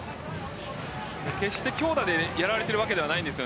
決して強打でやられているわけではないんです。